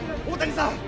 大谷さん！